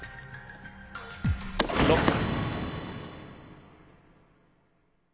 ＬＯＣＫ。